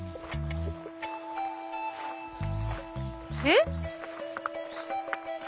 えっ？